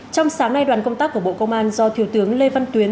trong sáng nay đoàn công tác của bộ công an do thiếu tướng lê văn tuyến